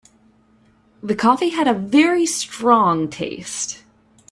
The coffee had a very strong taste.